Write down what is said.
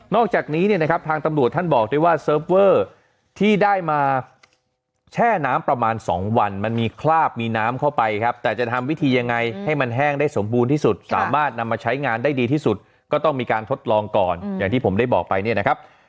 จากนี้เนี่ยนะครับทางตำรวจท่านบอกด้วยว่าเซิร์ฟเวอร์ที่ได้มาแช่น้ำประมาณ๒วันมันมีคราบมีน้ำเข้าไปครับแต่จะทำวิธียังไงให้มันแห้งได้สมบูรณ์ที่สุดสามารถนำมาใช้งานได้ดีที่สุดก็ต้องมีการทดลองก่อนอย่างที่ผมได้บอกไปเนี่ยนะครับ